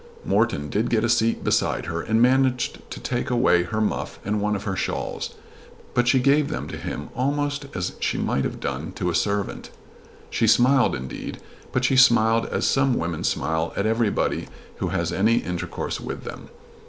Morton did get a seat beside her and managed to take away her muff and one of her shawls, but she gave them to him almost as she might have done to a servant. She smiled indeed, but she smiled as some women smile at everybody who has any intercourse with them.